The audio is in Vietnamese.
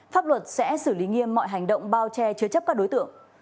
pháp luật sẽ xử lý nghiêm mọi hành động bao che chứa chấp các đối tượng